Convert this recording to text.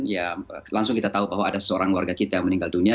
ya langsung kita tahu bahwa ada seorang warga kita yang meninggal dunia